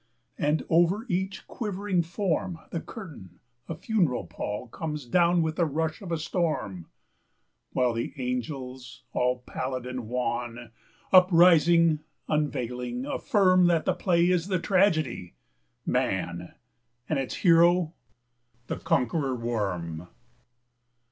And, over each quivering form, The curtain, a funeral pall, Comes down with the rush of a storm, While the angels, all pallid and wan, Uprising, unveiling, affirmThat the play is the tragedy, 'Man,'And its hero the Conqueror Worm.